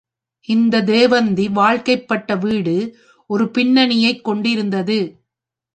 இந்தத் தேவந்தி வாழ்க்கைப்பட்ட வீடு ஒரு பின்னணியைக் கொண்டு இருந்தது.